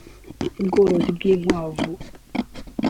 ubworozi bw’inkwavu